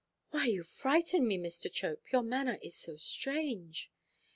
"Why, you quite frighten me, Mr. Chope. Your manner is so strange."